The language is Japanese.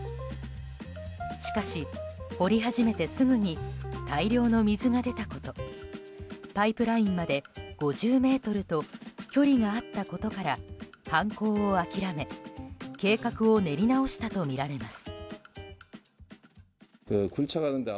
しかし、掘り始めてすぐに大量の水が出たことパイプラインまで５０ｍと距離があったことから犯行を諦め計画を練り直したとみられます。